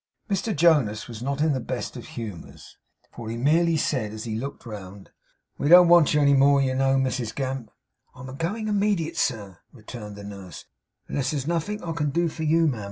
Mr Jonas was not in the best of humours, for he merely said, as he looked round, 'We don't want you any more, you know, Mrs Gamp.' 'I'm a going immediate, sir,' returned the nurse; 'unless there's nothink I can do for you, ma'am.